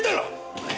おい。